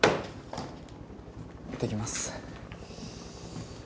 いってきます。